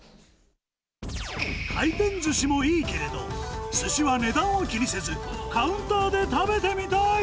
回転ずしもいいけれど、すしは値段を気にせず、カウンターで食べてみたい。